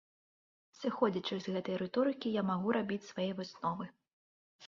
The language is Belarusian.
Сыходзячы з гэтай рыторыкі я магу рабіць свае высновы.